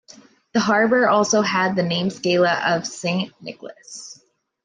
The harbour also had the name Skala of Saint Nicholas.